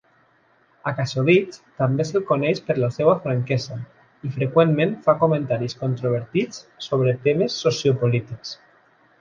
A Kassovitz també se'l coneix per la seva franquesa i freqüentment fa comentaris controvertits sobre temes sociopolítics.